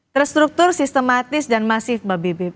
terstruktur sistematis dan masif mbak bibip